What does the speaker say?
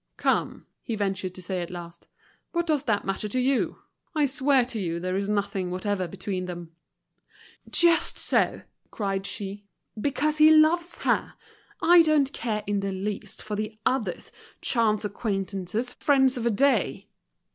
"Come," he ventured to say at last, "what does that matter to you? I swear to you there is nothing whatever between them." "Just so," cried she, "because he loves her! I don't care in the least for the others, chance acquaintances, friends of a day!"